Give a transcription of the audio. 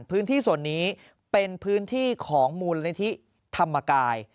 พื้นที่ส่วนนี้เป็นพื้นที่ของมูลนิธิธรรมกาย